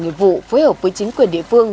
nghiệp vụ phối hợp với chính quyền địa phương